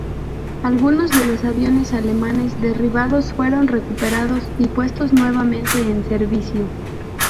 Algunos de los aviones alemanes derribados fueron recuperados y puestos nuevamente en servicio.